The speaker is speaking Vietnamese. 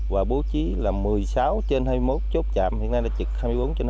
và bố trí là một mươi sáu trên hai mươi một chốt chạm hiện nay là trực hai mươi bốn trên hai mươi